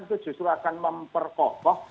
itu justru akan memperkokoh